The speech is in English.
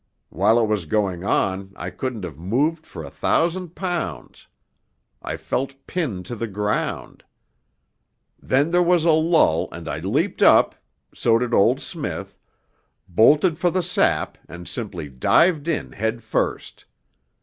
While it was going on I couldn't have moved for a thousand pounds.... I felt pinned to the ground ... then there was a lull, and I leapt up ... so did old Smith ... bolted for the sap, and simply dived in head first